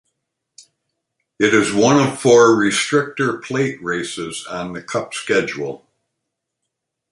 It is one of four restrictor plate races on the Cup schedule.